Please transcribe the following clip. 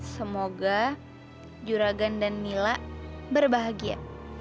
semoga juragan dan nila berbahagia